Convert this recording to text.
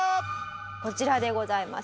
こちらでございます。